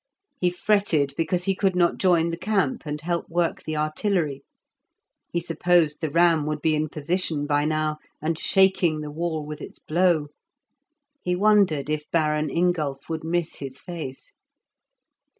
He fretted because he could not join the camp and help work the artillery; he supposed the ram would be in position by now and shaking the wall with its blow. He wondered if Baron Ingulph would miss his face.